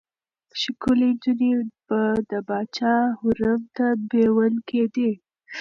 ښکلې نجونې به د پاچا حرم ته بېول کېدې.